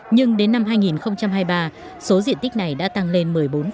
nhưng đến năm hai nghìn hai mươi ba số diện tích này đã tăng lên một mươi bốn